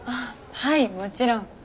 はいもちろん。